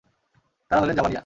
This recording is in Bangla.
তারা হলেন যাবানিয়া।